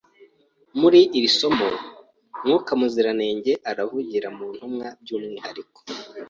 Muri iri somo, Mwuka Muziranenge aravugira mu ntumwa by’umwihariko